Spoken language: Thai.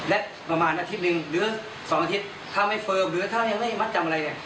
และประมาณอาทิตย์หนึ่งหรือ๒อาทิตย์ถ้าไม่เฟิร์มหรือถ้ายังไม่มัดจำอะไรเลย